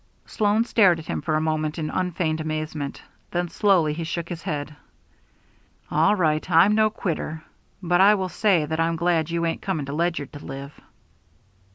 Sloan stared at him for a moment in unfeigned amazement. Then slowly he shook his head. "All right, I'm no quitter. But I will say that I'm glad you ain't coming to Ledyard to live."